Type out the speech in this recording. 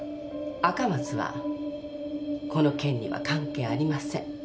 赤松はこの件には関係ありません。